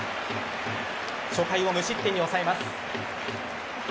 初回を無失点に抑えます。